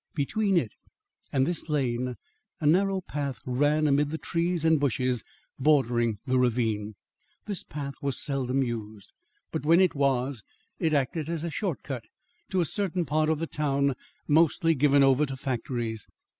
Between it and this lane, a narrow path ran amid the trees and bushes bordering the ravine. This path was seldom used, but when it was, it acted as a short cut to a certain part of the town mostly given over to factories.